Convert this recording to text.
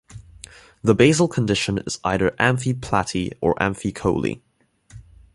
The basal condition is either amphiplaty or amphicoely.